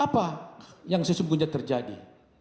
apa yang sesungguhnya terjadi